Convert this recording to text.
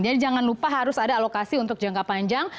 jadi jangan lupa harus ada alokasi untuk jangka panjang